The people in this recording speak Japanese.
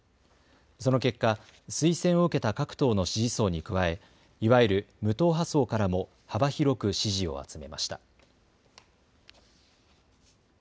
その結果、推薦を受けた各党の支持層に加えいわゆる無党派層からも幅広く支持を集めました。